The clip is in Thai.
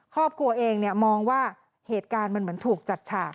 ครอบครัวเองมองว่าเหตุการณ์มันเหมือนถูกจัดฉาก